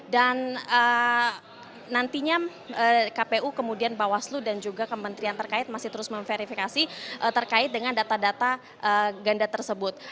dan nantinya kpu kemudian bawaslu dan juga kementrian terkait masih terus memverifikasi terkait dengan data data ganda tersebut